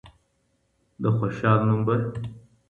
د خوشال نوم به